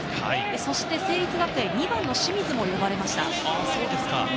そして成立学園、２番・清水も呼ばれました。